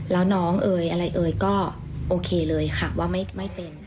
แล้วน้องเอ๋ยอะไรเอ่ยก็โอเคเลยค่ะว่าไม่เป็น